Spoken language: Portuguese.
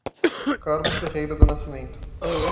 Carmo Ferreira do Nascimento